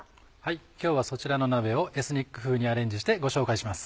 今日はそちらの鍋をエスニック風にアレンジしてご紹介します。